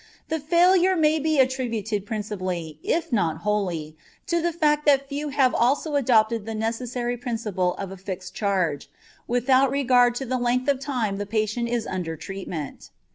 The failure may be attributed principally, if not wholly, to the fact that few have also adopted the necessary principle of a fixed charge, without regard to the length of time the patient is under treatment.